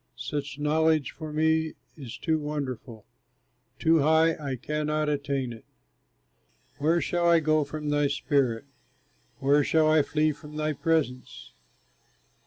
Such knowledge for me is too wonderful! Too high, I cannot attain it. Where shall I go from thy spirit, Where shall I flee from thy presence?